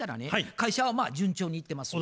会社はまあ順調にいってますと。